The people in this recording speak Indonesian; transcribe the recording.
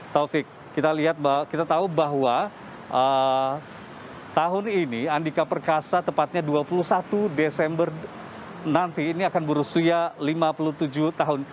taufik kita tahu bahwa tahun ini andika perkasa tepatnya dua puluh satu desember nanti ini akan berusia lima puluh tujuh tahun